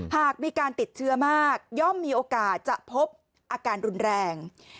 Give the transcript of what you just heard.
หากมีการติดเชื้อมากย่อมมีโอกาสจะพบอาการรุนแรง